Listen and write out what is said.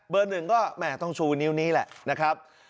เบอร์๑ก็แหม่งต้องชูนิ้วนี้แหละนะครับ